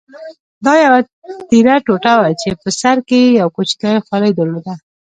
دا یوه تېره ټوټه وه چې په سر کې یې یو کوچنی خولۍ درلوده.